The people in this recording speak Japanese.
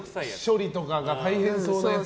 処理とかが大変そうなやつ。